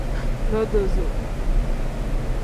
Nodoozo.